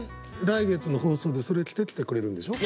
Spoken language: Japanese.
来月の放送でそれ着てきてくれるんでしょ？